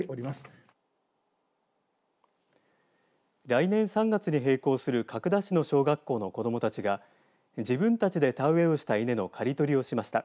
来年３月に閉校する角田市の小学校の子どもたちが自分たちで田植えをした稲の刈り取りをしました。